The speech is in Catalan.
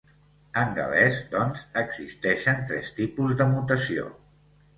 En gal·lès, doncs, existeixen tres tipus de mutació.